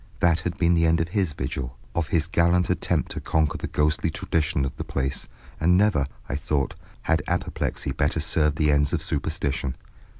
That had been the end of his vigil, of his gallant attempt to conquer the ghostly tradition of the place, and never, I thought, had apoplexy better served the ends of superstition.